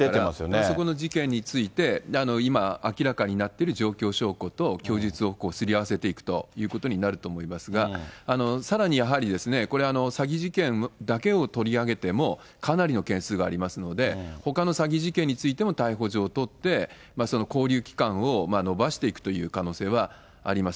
そこの事件について、今、明らかになってる状況証拠と供述をすり合わせていくということになると思いますが、さらにやはりこれ、詐欺事件だけを取り上げても、かなりの件数がありますので、ほかの詐欺事件についても逮捕状を取って、その勾留期間を延ばしていくという可能性はあります。